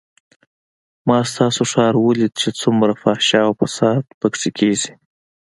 ما ستاسو ښار وليد چې څومره فحشا او فساد پکښې کېږي.